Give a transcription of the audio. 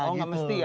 oh gak mesti ya